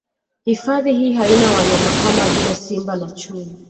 Hifadhi hii haina wanyama kama vile Simba na Chui